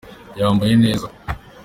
yambaye neza.